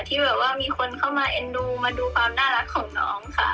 ที่แบบว่ามีคนเข้ามาเอ็นดูมาดูความน่ารักของน้องค่ะ